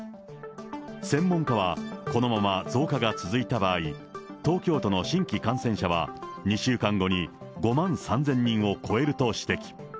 専門家は、このまま増加が続いた場合、東京都の新規感染者は２週間後に５万３０００人を超えると指摘。